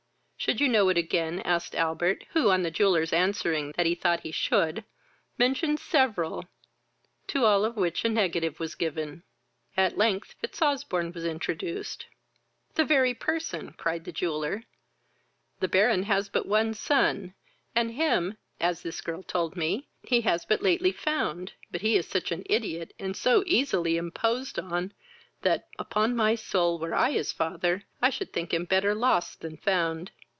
"Should you know it again?" asked Albert; who, on the jeweller's answering that he thought he should, mentioned several, to all of which a negative was given. At length Fitzosbourne was introduced. "The very person, (cried the jeweler;) the Baron has but one son; and him, as this girl told me, he has but lately found: but he is such an ideot, and so easily imposed on, that, upon my soul, were I his father, I should think him better lost than found."